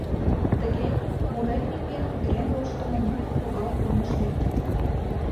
Тыге, мурен-лӱҥген, кутырен-воштылын, нуно прогал корныш лектыт.